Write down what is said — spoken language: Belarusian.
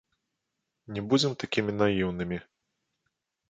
Не будзем такімі наіўнымі.